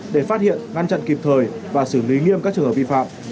để phát hiện ngăn chặn kịp thời và xử lý nghiêm các trường hợp vi phạm